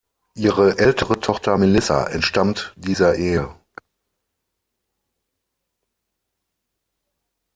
Ihre ältere Tochter Melissa entstammt dieser Ehe.